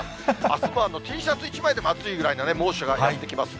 あすもＴシャツ一枚でも暑いぐらいな猛暑がやって来ます。